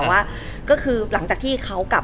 ได้ความรู้ความสัมภัณฑ์มันไปกันอยู่แล้ว